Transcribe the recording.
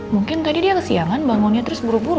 mungkin tadi dia kesiangan bangunnya terus buru buru